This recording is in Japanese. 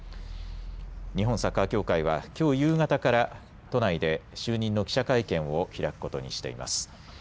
日本サッカー協会はきょう夕方から都内で就任の記者会見を開くことにしています。